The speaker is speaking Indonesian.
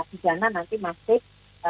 bijanan nanti masih